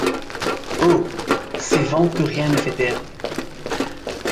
Oh ! ces vents que rien ne fait taire !